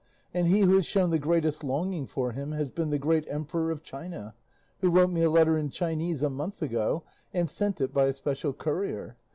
And he who has shown the greatest longing for him has been the great Emperor of China, who wrote me a letter in Chinese a month ago and sent it by a special courier.